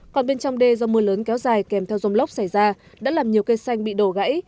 còn bên trong đê do mưa lớn kéo dài kèm theo dông lốc xảy ra đã làm nhiều cây xanh bị đổ gãy